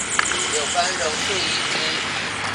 有關榕樹移植